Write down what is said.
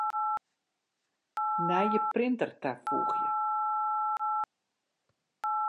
Nije printer tafoegje.